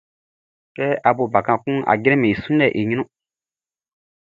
Kɛ a bo bakan kunʼn, a jranmɛn i sunlɛʼn i ɲrun.